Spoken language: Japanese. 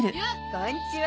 こんにちは。